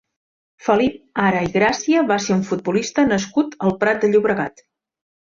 Felip Ara i Gràcia va ser un futbolista nascut al Prat de Llobregat.